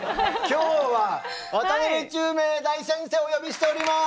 今日は渡辺宙明大先生をお呼びしております！